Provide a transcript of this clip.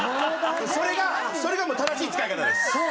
それが正しい使い方です。